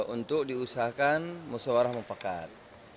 untuk diusahakan musawarah mempekat